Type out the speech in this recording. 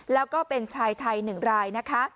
แล้วก็เป็นชายไทย๑รายนะคะ